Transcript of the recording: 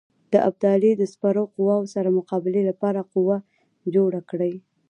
د ابدالي د سپرو قواوو سره مقابلې لپاره قوه جوړه کړي.